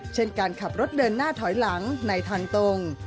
เช่นการขับรถเดินหน้าถอยหลังในทางตรง